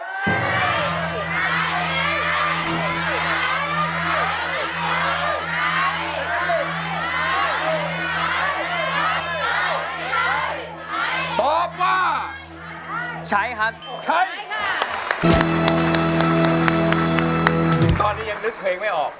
ใช้ใช้ใช้ใช้ตอบว่าใช้ใช้ใช้ใช้ตอนนี้ยังนึกเพลงไม่ออก